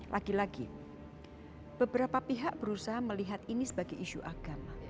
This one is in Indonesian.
lagi lagi beberapa pihak berusaha melihat ini sebagai isu agama